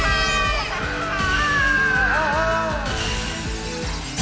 ああ！